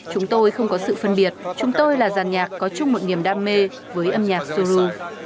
chúng tôi không có sự phân biệt chúng tôi là giàn nhạc có chung một niềm đam mê với âm nhạc sô lô